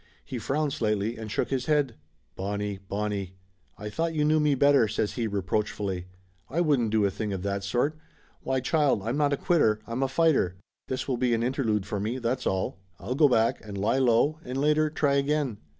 He frowned slightly and shook his head. "Bonnie, Bonnie, I thought you knew me better!" says he reproachfully. "I wouldn't do a thing of that sort. Why child, I'm not a quitter, I'm a fighter! This will be an interlude for me, that's all. I'll go back and lie low, and later, try again."